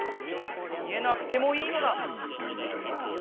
見えなくてもいいのだ！